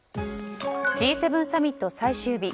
Ｇ７サミット最終日。